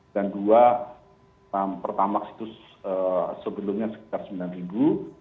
dan dua pertama situs sebelumnya sekitar sembilan ribu